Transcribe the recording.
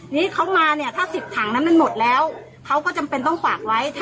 นี่เขามาเนี่ยถ้า๑๐ถังนั้นมันหมดแล้วเขาก็จำเป็นต้องฝากไว้